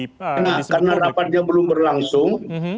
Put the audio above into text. karena rapatnya belum berlangsung